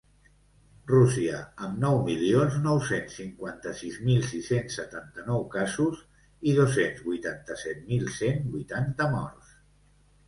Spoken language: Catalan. Rússia, amb nou milions nou-cents cinquanta-sis mil sis-cents setanta-nou casos i dos-cents vuitanta-set mil cent vuitanta morts.